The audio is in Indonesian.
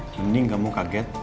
mending kamu kaget